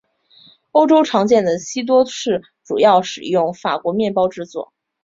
欧洲常见的西多士主要使用法国面包制作。